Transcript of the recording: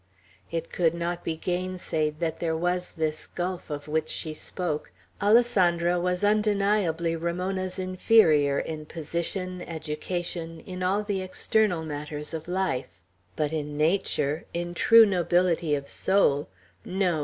It could not be gainsaid that there was this gulf, of which she spoke. Alessandro was undeniably Ramona's inferior in position, education, in all the external matters of life; but in nature, in true nobility of soul, no!